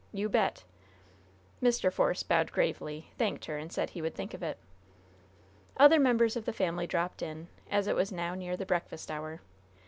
You bet!" Mr. Force bowed gravely, thanked her, and said he would think of it. Other members of the family dropped in, as it was now near the breakfast hour.